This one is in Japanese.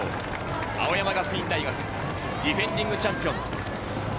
青山学院大学、ディフェンディングチャンピオン。